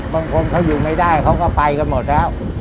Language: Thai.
บางคนเขาอยู่ไม่ได้เขาก็ไปกันหมดแล้ว